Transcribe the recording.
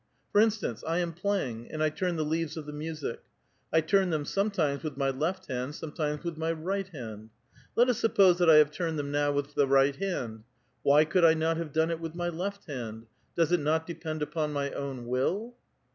For instance, I' am playing, and I turn the leaves of the music. I turn them sometimes with my left hand, sometimes with my right hand. Let us suppose that I have turned them now with the right liand ; why could 1 not have done it with my left hand ? Does it not depend upon my own will?